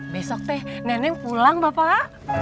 besok teh nenek pulang bapak